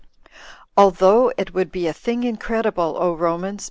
"Although it be a thing incredible, O Romans!